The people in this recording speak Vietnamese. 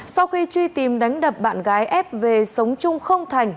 sau khi truy tìm đánh đập bạn gái f về sống chung không thành